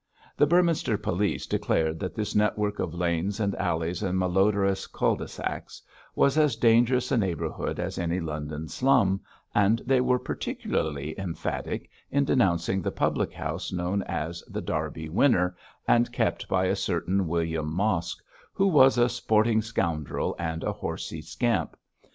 The Beorminster police declared that this network of lanes and alleys and malodorous cul de sacs was as dangerous a neighbourhood as any London slum, and they were particularly emphatic in denouncing the public house known as The Derby Winner, and kept by a certain William Mosk, who was a sporting scoundrel and a horsey scamp.